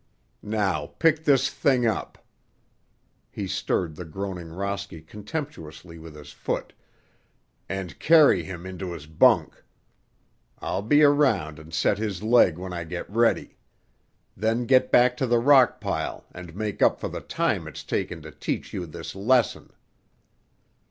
Now pick this thing up—" he stirred the groaning Rosky contemptuously with his foot—"and carry him into his bunk. I'll be around and set his leg when I get ready. Then get back to the rock pile and make up for the time it's taken to teach you this lesson."